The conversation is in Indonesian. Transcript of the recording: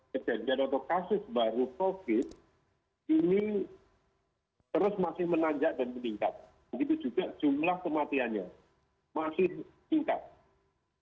kebencian atau kasus baru covid ini terus masih menanjak dan meningkat